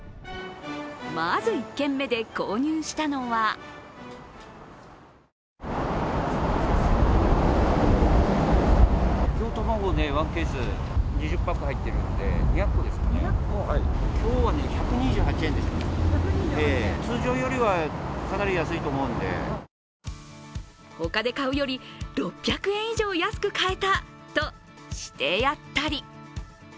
まず１軒目で購入したのは他で買うより６００円以上安く買えたと、してやったり。